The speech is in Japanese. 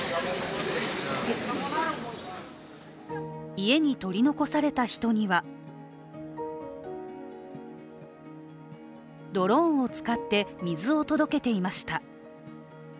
家に取り残された人にはドローンを使って水を届けていました。